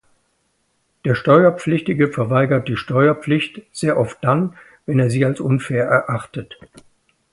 Der Steuerpflichtige verweigert die Steuerpflicht sehr oft dann, wenn er sie als unfair erachtet.